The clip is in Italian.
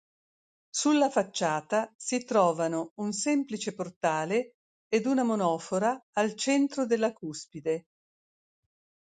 Sulla facciata si trovano un semplice portale ed una monofora al centro della cuspide.